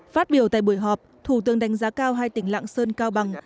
phát biểu tại buổi họp thủ tướng đánh giá cao hai tỉnh lạng sơn cao bằng